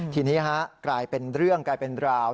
ทีนี้กลายเป็นเรื่องกลายเป็นราว